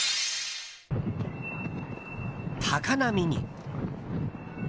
高波に。